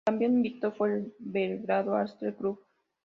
El campeón invicto fue el Belgrano Athletic Club.